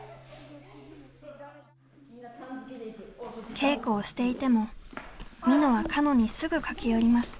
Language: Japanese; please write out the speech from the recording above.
稽古をしていてもみのはかのにすぐ駆け寄ります。